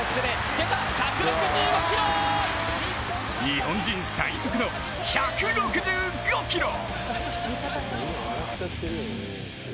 日本人最速の１６５キロ！